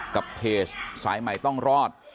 กับเพจสายใหม่ต้องรอด